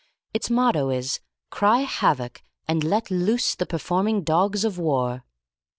Its motto is, "Cry havoc, and let loose the performing dogs of war."